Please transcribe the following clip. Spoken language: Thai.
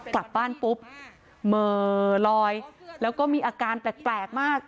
กลับบ้านปุ๊บเหม่อลอยแล้วก็มีอาการแปลกมาก